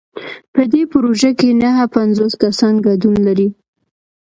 په دې پروژه کې نهه پنځوس کسان ګډون لري.